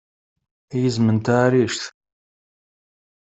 Ay izem n taɛrict!